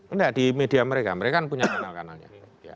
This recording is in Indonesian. enggak di media mereka mereka kan punya kanal kanalnya